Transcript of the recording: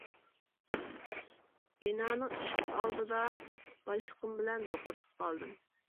بىنانىڭ ئىشكى ئالدىدا باشلىقىم بىلەن دوقۇرۇشۇپ قالدىم.